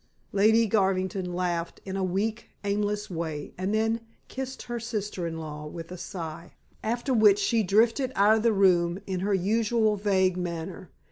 Lady Garvington laughed in a weak, aimless way, and then kissed her sister in law with a sigh, after which she drifted out of the room in her usual vague manner.